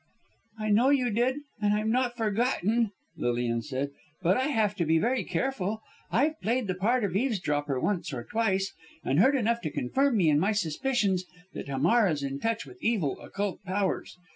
"I know you did and I've not forgotten," Lilian said, "but I have to be very careful. I've played the part of eavesdropper once or twice, and heard enough to confirm me in my suspicions that Hamar is in touch with evil, occult powers.